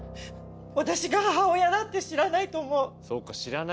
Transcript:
私が母親だって知らないと思う。